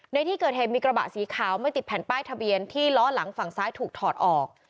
ในที่เกิดเหตุมีกระบะสีขาวไม่ติดแผ่นป้ายทะเบียนที่ล้อหลังฝั่งซ้ายถูกถอดออก